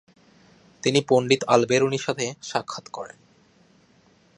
তিনি পণ্ডিত আল বেরুনির সাথে সাক্ষাৎ করেন।